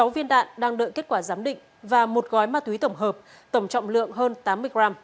sáu viên đạn đang đợi kết quả giám định và một gói ma túy tổng hợp tổng trọng lượng hơn tám mươi g